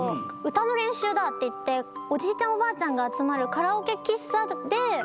歌の練習だって言っておじいちゃんおばあちゃんが集まる。